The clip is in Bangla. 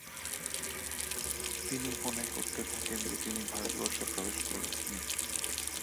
তিনি মনে করতে থাকেন যে তিনি ভারতবর্ষে প্রবেশ করেছেন।